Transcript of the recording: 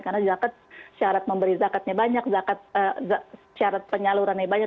karena zakat syarat memberi zakatnya banyak syarat penyalurannya banyak